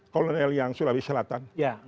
kolonel yang sulawesi selatan